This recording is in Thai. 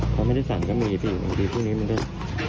มันไม่ได้สั่งก็มีสิวันดีพรุนี้มันได้